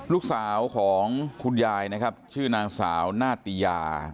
ลูกสาวของคุณยายนะครับชื่อนางสาวนาติยา